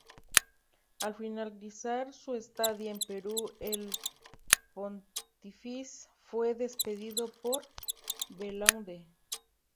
Al finalizar su estadía en Perú, el Pontífice fue despedido por Belaúnde.